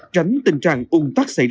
tránh tình trạng ung tắc xảy ra